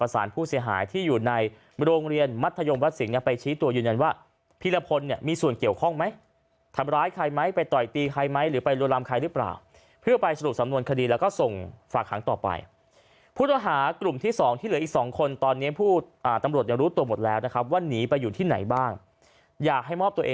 สารผู้เสียหายที่อยู่ในโรงเรียนมัธยมวัดสิงห์เนี่ยไปชี้ตัวยืนยันว่าพีรพลเนี่ยมีส่วนเกี่ยวข้องไหมทำร้ายใครไหมไปต่อยตีใครไหมหรือไปรวนลำใครหรือเปล่าเพื่อไปสรุปสำนวนคดีแล้วก็ส่งฝากหางต่อไปผู้ต้องหากลุ่มที่สองที่เหลืออีกสองคนตอนนี้ผู้ตำรวจยังรู้ตัวหมดแล้วนะครับว่าหนีไปอยู่ที่ไหนบ้างอยากให้มอบตัว